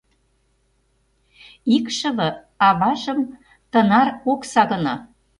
Икшыве аважым тынаре ок сагыне.